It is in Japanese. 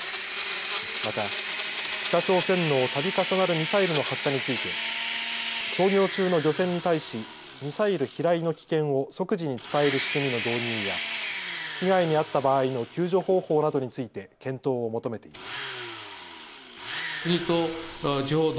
また、北朝鮮のたび重なるミサイルの発射について操業中の漁船に対しミサイル飛来の危険を即時に伝える仕組みの導入や、被害に遭った場合の救助方法などについて検討を求めています。